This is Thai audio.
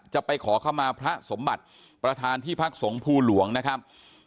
จะไปขอเข้ามาพระสมบัติประธานที่พักสงภูหลวงนะครับ